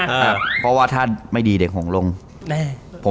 อเจมส์เพราะว่าถ้าไม่ดีเด็กห่องรงค์